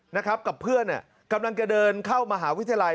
นะครับกับเพื่อนกำลังจะเดินเข้ามหาวิทยาลัย